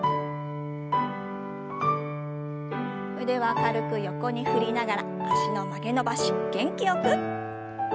腕は軽く横に振りながら脚の曲げ伸ばし元気よく。